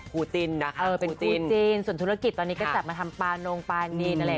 ปูตินนะคะเออเป็นจีนส่วนธุรกิจตอนนี้ก็จับมาทำปลานงปลาจีนอะไร